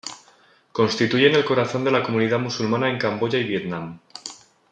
Constituyen el corazón de la comunidad musulmana en Camboya y Vietnam.